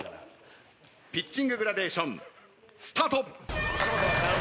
ピッチンググラデーションスタート。